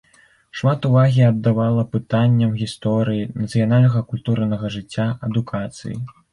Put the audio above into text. Шмат увагі аддавала пытанням гісторыі, нацыянальнага культурнага жыцця, адукацыі.